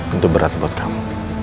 itu berat buat kamu